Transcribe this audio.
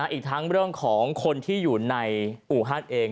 อีกทั้งเรื่องของคนที่อยู่ในอู่ฮั่นเอง